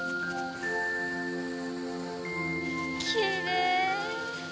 きれい。